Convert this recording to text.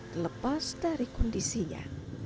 terlepas dari kondisinya